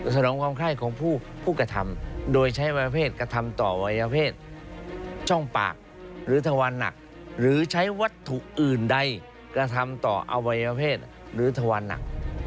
สนองความไข้ของผู้กระทำโดยใช้วัยประเภทกระทำต่อวัยเพศช่องปากหรือทวารหนักหรือใช้วัตถุอื่นใดกระทำต่ออวัยวเพศหรือทวารหนัก